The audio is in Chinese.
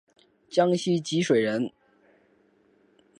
江西吉水人。